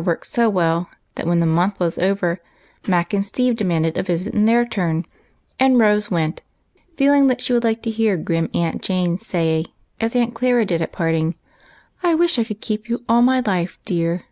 This trial worked so well that when tfie month was over, Mac and Steve demanded a visit in their turn, and Rose went, feeling that she would like to hear grim Aunt Jane say, as Aunt Clara did at parting, " I wish I could keep you all my life, dear."